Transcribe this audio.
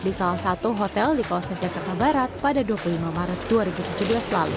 di salah satu hotel di kawasan jakarta barat pada dua puluh lima maret dua ribu tujuh belas lalu